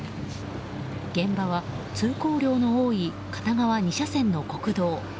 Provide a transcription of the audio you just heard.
現場は通行量の多い片側２車線の国道。